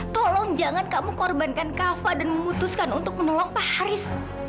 tolong jangan kamu korbankan kava dan memutuskan untuk menolong pak haris